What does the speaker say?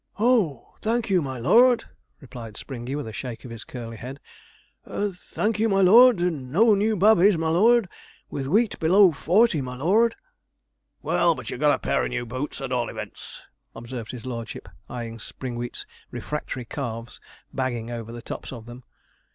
'Oh, thank you, my lord,' replied Springey, with a shake of his curly head; 'thank you, my lord; no new babbies, my lord, with wheat below forty, my lord.' 'Well, but you've got a pair of new boots, at all events,' observed his lordship, eyeing Springwheat's refractory calves bagging over the tops of them.